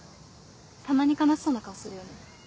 たまに悲しそうな顔するよね。